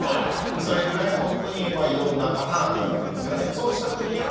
それぐらい本当にいろんなパターンがあるわけです。